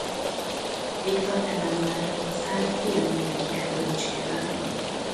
Viktor Emánuel szárd–piemonti király öccsével.